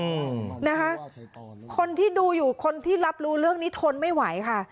อืมนะคะคนที่ดูอยู่คนที่รับรู้เรื่องนี้ทนไม่ไหวค่ะ